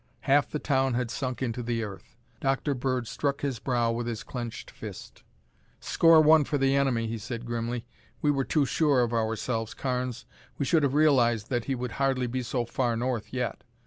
Half the town had sunk into the earth. Dr. Bird struck his brow with his clenched fist. "Score one for the enemy," he said grimly. "We were too sure of ourselves, Carnes. We should have realized that he would hardly be so far north yet.